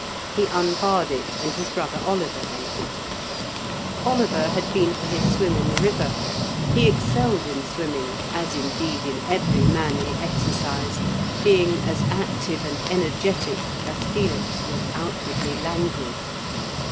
He unbarred it, and his brother Oliver entered. Oliver had been for his swim in the river. He excelled in swimming, as, indeed, in every manly exercise, being as active and energetic as Felix was outwardly languid.